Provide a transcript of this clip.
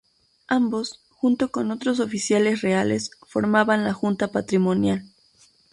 Ambos, junto con otros oficiales reales, formaban la Junta Patrimonial.